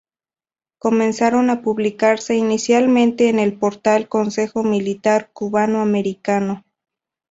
Comenzaron a publicarse inicialmente en el portal Consejo Militar Cubano Americano.